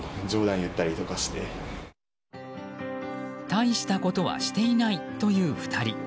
大したことはしていないと言う２人。